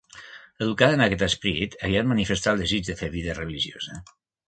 Educada en aquest esperit, aviat manifestà el desig de fer vida religiosa.